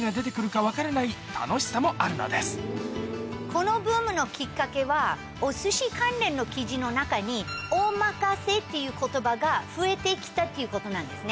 このブームのきっかけはおすし関連の記事の中にＯＭＡＫＡＳＥっていう言葉が増えてきたっていうことなんですね。